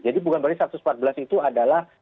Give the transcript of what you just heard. bukan berarti satu ratus empat belas itu adalah